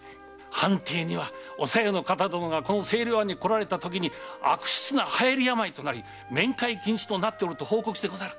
藩邸にはお小夜の方殿が清涼庵に来られたときに流行病となり面会禁止となっておると報告してござる。